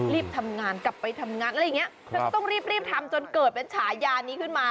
รีบทำงานกลับไปทำงานอะไรอย่างนี้ก็ต้องรีบรีบทำจนเกิดเป็นฉายานี้ขึ้นมา